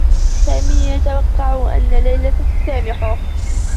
سامي يتوقّع أنّ ليلى ستسامحه.